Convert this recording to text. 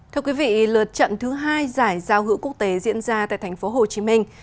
thưa quý vị lượt trận thứ hai giải giao hữu quốc tế diễn ra tại thành phố hồ chí minh